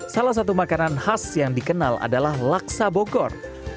salah satu makanan khas yang dikenal adalah laksa bogor